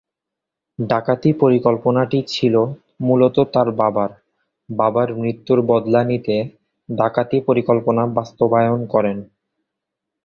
ডাকাতি পরিকল্পনাটি ছিলো মূলত তার বাবার, বাবার মৃত্যুর বদলা নিতে ডাকাতি পরিকল্পনা বাস্তবায়ন করেন।